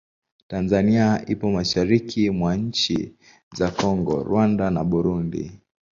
Tanzania ipo mashariki mwa nchi za Kongo, Rwanda na Burundi.